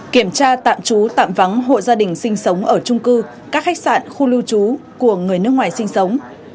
kiểm tra tạm trú tạm vắng hộ gia đình sinh sống ở trung cư các khách sạn khu lưu trú của người nước ngoài sinh sống